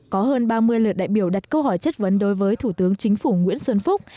có hơn ba mươi lượt đại biểu đặt câu hỏi chất vấn đối với thủ tướng chính phủ nguyễn xuân phúc